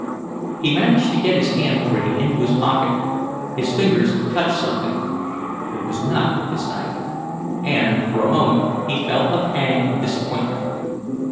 He managed to get his free hand into his pocket. His fingers touched something. It was not his knife, and, for a moment he felt a pang of disappointment.